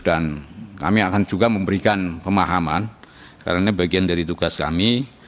dan kami akan juga memberikan pemahaman karena bagian dari tugas kami